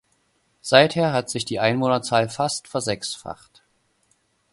Seither hat sich die Einwohnerzahl fast versechsfacht.